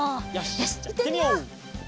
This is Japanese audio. よしじゃあいってみよう。